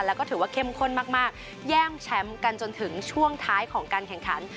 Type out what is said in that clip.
แล้วก็ถือว่าเข้มข้นมากแย่งแชมป์กันจนถึงช่วงท้ายของการแข่งขัน